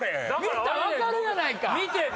見たら分かるやないか！